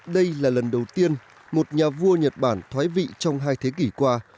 đây là lần đầu tiên một nhà vua nhật bản thoái vị trong hai thế kỷ qua